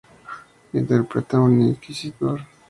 Interpreta a un inquisidor.